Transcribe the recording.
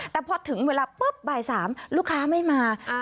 แต่พอถึงเวลาปุ๊บบ่าย๓ลูกค้าไม่มา